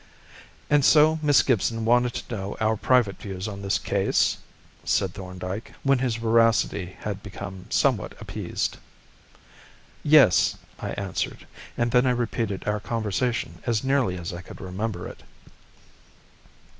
"And so Miss Gibson wanted to know our private views on the case?" said Thorndyke, when his voracity had become somewhat appeased. "Yes," I answered; and then I repeated our conversation as nearly as I could remember it.